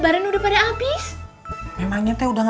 claudia sini kak